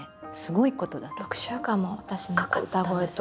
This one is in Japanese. ６週間も私の歌声と。